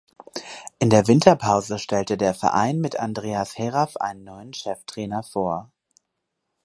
In der Winterpause stellte der Verein mit Andreas Heraf einen neuen Cheftrainer vor.